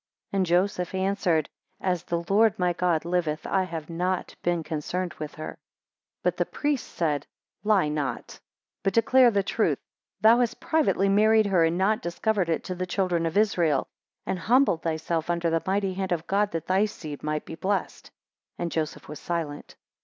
13 And Joseph answered, As the Lord my God liveth, I have not been concerned with her. 14 But the priest said, Lie not, but declare the truth; thou hast privately married her, and not discovered it to the children of Israel, and humbled thyself under the mighty hand (of God), that thy seed might be blessed: 15 And Joseph was silent.